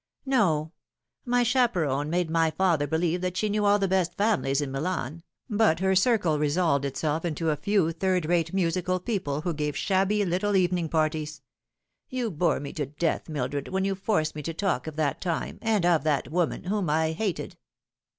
" No. My chaperon made my father believe that she knew all the best families in Milan, but her circle resolved itself into a few third rate musical people who gave shabby little evening parties. You bore me to death, Mildred, when you force me to talk of that time, and of that woman, whom I hated."